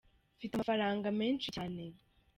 Mfite amafaranga menshi cyane.